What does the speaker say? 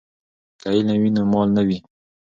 که علم وي نو مال نه وي.